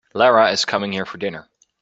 Lara is coming here for dinner.